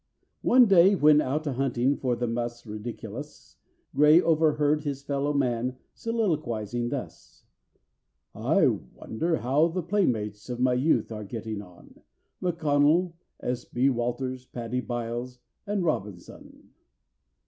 One day, when out a hunting for the mus ridiculus, GRAY overheard his fellow man soliloquizing thus: "I wonder how the playmates of my youth are getting on, M'CONNELL, S. B. WALTERS, PADDY BYLES, and ROBINSON?"